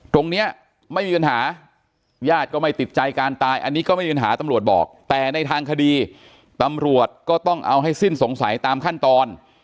ตรงนี้ไม่มีปัญหาญาติก็ไม่ติดใจการตายอันนี้ก็ไม่มีปัญหาตำรวจบอกแต่ในทางคดีตำรวจก็ต้องเอาให้สิ้นสงสัยตามขั้นตอน